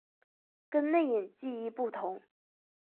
跟内隐记忆不同。